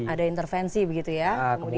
ada intervensi begitu ya